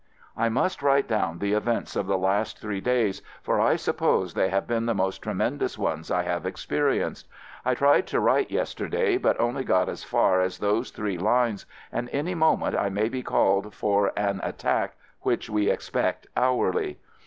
I must write down the events of the last three days, for I suppose they have been the most tremendous ones I have experi enced. I tried to write yesterday, but only got as far as those three lines, and any moment I may be called for "an at tack" which we expect hourly.